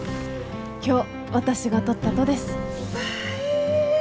今日私が撮ったとです。ばえー！